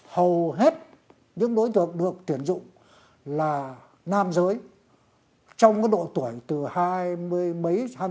hầu hết những đối tượng được tiền dụng là nam giới trong cái độ tuổi từ hai mươi mấy hai mươi sáu hai mươi bảy cho đến ba mươi ba mươi một trong cái độ tuổi khoảng ba mươi